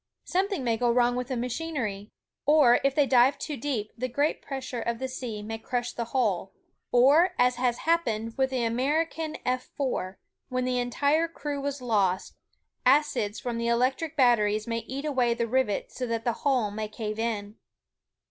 Something may go wrong with the machinery. Or if they dive too deep the great pressure of the sea may crush the hull. Or, as happened with the American F 4, when the entire crew was lost, acids from the electric batteries may eat away the rivets so that the hull may cave in.